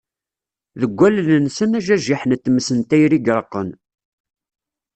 Deg wallen-nsen ajajiḥ n tmes n tayri i ireqqen.